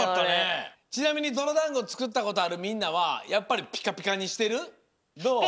ちなみにどろだんごつくったことあるみんなはやっぱりピカピカにしてる？